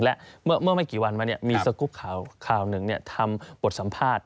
และเมื่อไม่กี่วันมามีสกรุปข่าวหนึ่งทำบทสัมภาษณ์